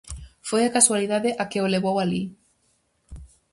Foi a casualidade a que o levou alí.